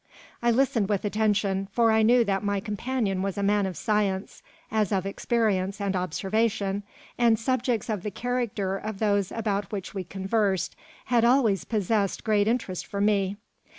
I listened with attention, for I knew that my companion was a man of science, as of experience and observation, and subjects of the character of those about which we conversed had always possessed great interest for me.